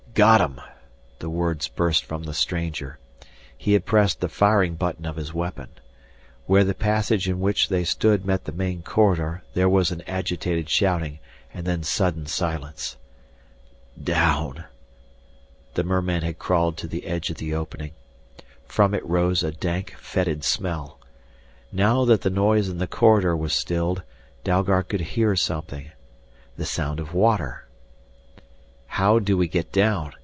"Got 'em!" the words burst from the stranger. He had pressed the firing button of his weapon. Where the passage in which they stood met the main corridor, there was an agitated shouting and then sudden silence. "Down " The merman had crawled to the edge of the opening. From it rose a dank, fetid smell. Now that the noise in the corridor was stilled Dalgard could hear something: the sound of water. "How do we get down?"